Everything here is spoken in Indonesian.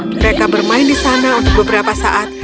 mereka bermain di sana untuk beberapa saat